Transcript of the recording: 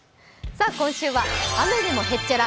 今週は「雨でもへっちゃら！